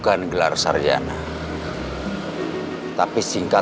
enggak saya nyari denny